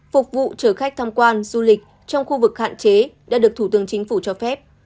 phục vụ trở khách tham quan du lịch trong khu vực hạn chế đã được thủ tướng chính phủ cho phép